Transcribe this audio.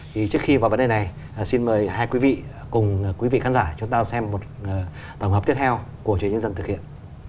thì trước khi vào vấn đề này xin mời hai quý vị cùng quý vị khán giả chúng ta xem một tổng hợp tiếp theo của chủ nhân dân thực hiện